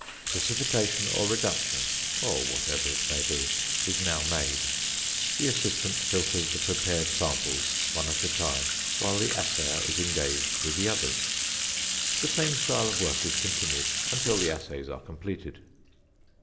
Precipitation or reduction (or whatever it may be) is now made; the assistant filters the prepared samples, one at a time, whilst the assayer is engaged with the others. The same style of work is continued until the assays are completed.